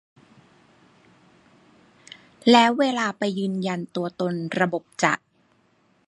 แล้วเวลาไปยืนยันตัวตนระบบจะ